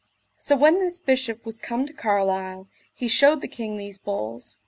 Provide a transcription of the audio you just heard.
So when this Bishop was come to Carlisle he shewed the king these bulls.